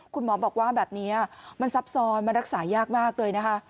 คุณหมอบอกว่าแบบนี้มันซับซ้อนมันรักษายากมากเลยนะคะ